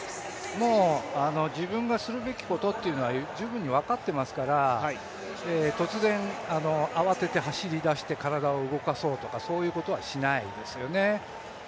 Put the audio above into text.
もう自分がするべきことは十分に分かってますから突然、慌てて走り出して体を動かそうとか、そういうことはしないですよね。